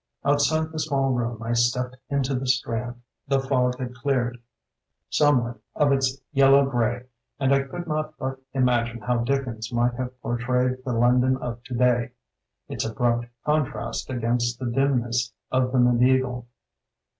.. Outside the small room, I stepped into the Strand. The fog had cleared somewhat of its yellow grey and I could not but imagine how Dick ens might have portrayed the London of today, its abrupt contrast against the dimness of the mediseval.